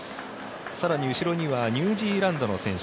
更に後ろにはニュージーランドの選手